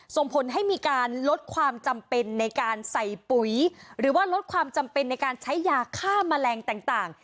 ส่งผลให้มีการลดความจำเป็นในการใส่ปุ๋ยหรือว่าลดความจำเป็นในการใช้ยาฆ่าแมลงต่าง